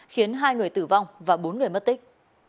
khiến hai người tử vong và bốn người mất tích